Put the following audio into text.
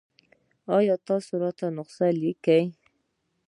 ایا تاسو راته نسخه لیکئ؟